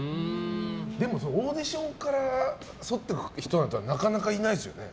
でも、オーディションからそっていく人なんてなかなかいないですよね。